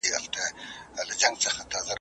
د کتاب لوستل انسان ته د نويو مفکورو دروازې ,